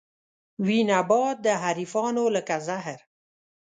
وي نبات د حريفانو لکه زهر